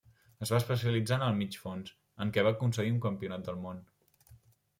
Es va especialitzar en el mig fons, en què va aconseguir un Campionat del Món.